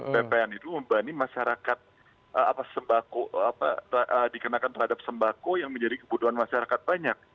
ppn itu membani masyarakat dikenakan terhadap sembako yang menjadi kebutuhan masyarakat banyak